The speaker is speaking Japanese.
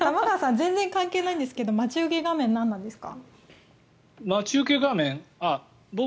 全然関係ないんですけど待ち受け画面、何なんですか？